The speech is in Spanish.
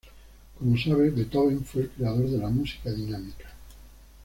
Como sabe, Beethoven, fue el creador de la música dinámica".